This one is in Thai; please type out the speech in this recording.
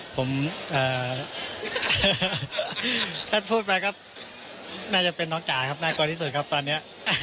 ผมถ้าพูดไปก็น่าจะเป็นน้องจ๋าครับน่ากลัวที่สุดครับตอนนี้